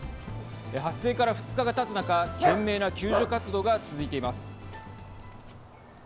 発生から２日がたつ中懸命な救助活動が続いています。